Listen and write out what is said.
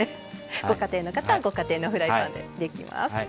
ご家庭の方はご家庭のフライパンでできます。